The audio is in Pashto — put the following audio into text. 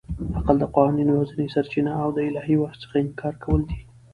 عقل د قوانینو یوازنۍ سرچینه او د الهي وحي څخه انکار کول دي.